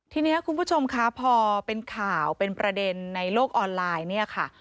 ทีนี้คุณผู้ชมคะพอเป็นข่าวเป็นประเด็นในโลกออนไลน์เนี่ยค่ะ